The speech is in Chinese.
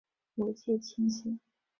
逻辑清晰！